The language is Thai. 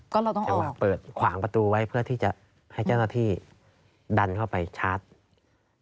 จังหวะเปิดขวางประตูไว้เพื่อที่จะให้เจ้าที่ดันเข้าไปชาร์จ